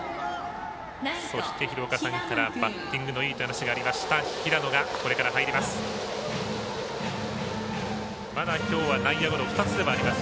そして、廣岡さんからバッティングがいいという話がありました平野が入ります。